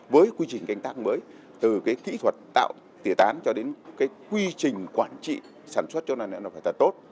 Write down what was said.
với quy trình canh tác mới từ cái kỹ thuật tạo tỉa tán cho đến cái quy trình quản trị sản xuất cho nên là phải thật tốt